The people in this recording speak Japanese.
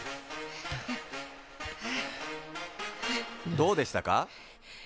どうでしたか？